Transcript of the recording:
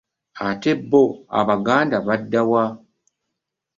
Ate baganda bo badda wa?